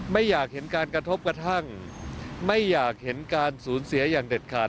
ไม่อยากเห็นการกระทบกระทั่งไม่อยากเห็นการสูญเสียอย่างเด็ดขาด